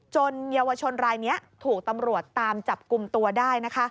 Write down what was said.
เยาวชนรายนี้ถูกตำรวจตามจับกลุ่มตัวได้